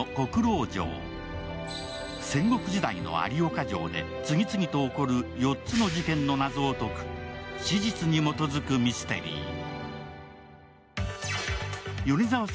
戦国時代の有岡城で次々と起こる４つの事件の謎を解く史実に基づくミステリー。